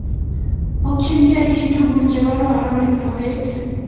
Mikchinkeiy chi tugul chekororon eng' sobet.